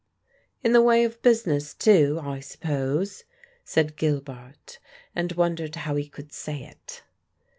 "In the way of business, too, I suppose?" said Gilbart, and wondered how he could say it.